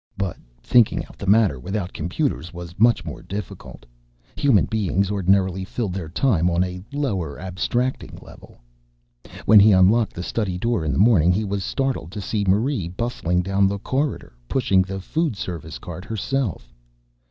But thinking the matter out without computers was much more difficult. Human beings ordinarily filled their time on a lower abstracting level. When he unlocked the study door in the morning he was startled to see Marie bustling down the corridor, pushing the food service cart herself.